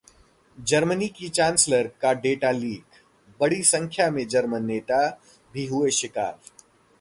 Germany की chancellor का data leak, बड़ी संख्या में जर्मन नेता भी हुए शिकार